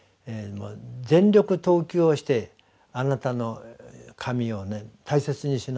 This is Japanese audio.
全力投球をしてあなたの神を大切にしなさい。